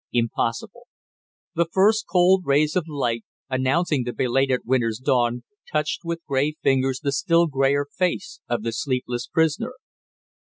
Impossible!" The first cold rays of light, announcing the belated winter's dawn, touched with gray fingers the still grayer face of the sleepless prisoner.